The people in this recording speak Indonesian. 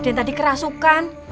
ada yang tadi kerasukan